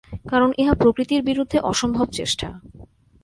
কারণ ইহা প্রকৃতির বিরুদ্ধে অসম্ভব চেষ্টা।